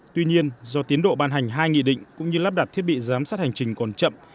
tuy nhiên do tiến độ ban hành hai nghị định cũng như lắp đặt thiết bị giám sát hành trình còn chậm